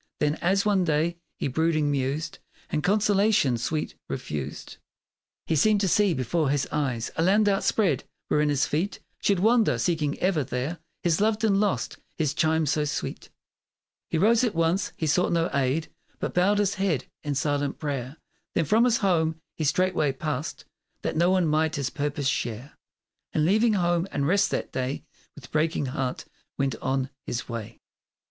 Then, as one day he brooding mused And consolation sweet refused, He seemed to see before his eyes A land outspread, wherein his feet Should wander, seeking ever there His loved and lost his chime so sweet, He rose at once; he sought no aid; But bowed his head in silent prayer; Then from his home he straightway passed That no one might his purpose share. And leaving home and rest that day With breaking heart went on his way.